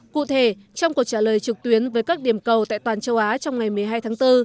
cụ thể trong cuộc trả lời trực tuyến với các điểm cầu tại toàn châu á trong ngày một mươi hai tháng bốn